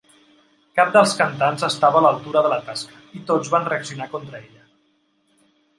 Cap dels cantants estava a l'altura de la tasca i tots van reaccionar contra ella.